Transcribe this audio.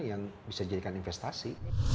yang bisa dijadikan investasi